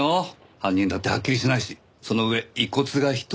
犯人だってはっきりしないしその上遺骨が１つ。